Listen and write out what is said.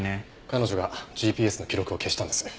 彼女がＧＰＳの記録を消したんです。